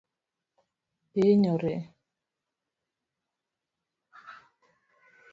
Ihinyori?